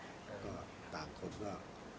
อันนี้ของทุกคุณแม่ทั้งเสือทั้ง